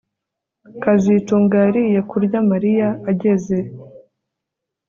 kazitunga yariye kurya Mariya ageze